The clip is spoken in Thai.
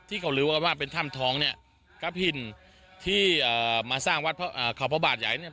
ที่เขาเรียกว่าว่าเป็นถ้ำท้องเนี่ยกับหินที่อ่ามาสร้างวัดข่าวพระบาทใหญ่เนี่ย